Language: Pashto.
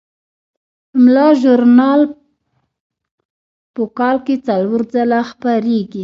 پملا ژورنال په کال کې څلور ځله خپریږي.